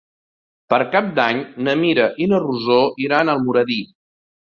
Per Cap d'Any na Mira i na Rosó iran a Almoradí.